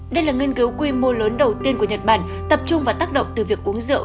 đây là nghiên cứu quy mô lớn đầu tiên của nhật bản tập trung vào tác động từ việc uống rượu